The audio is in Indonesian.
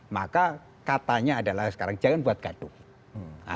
maka katanya adalah sekarang jangan buat gaduh